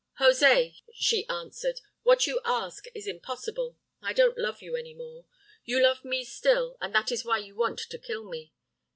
"'Jose,' she answered, 'what you ask is impossible. I don't love you any more. You love me still, and that is why you want to kill me.